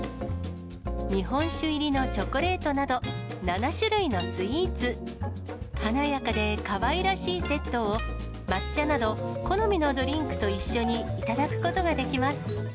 日本酒入りのチョコレートなど、７種類のスイーツ、華やかでかわいらしいセットを、抹茶など、好みのドリンクと一緒に頂くことができます。